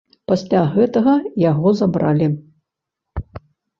Пасля гэтага яго забралі.